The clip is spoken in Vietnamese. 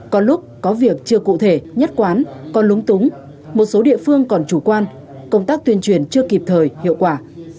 có lúc có việc chưa cụ thể nhất quán còn lúng túng một số địa phương còn chủ quan công tác tuyên truyền chưa kịp thời hiệu quả